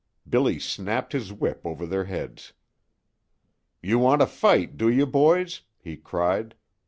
Billy snapped his whip over their heads. "You want a fight, do you, boys?" he cried.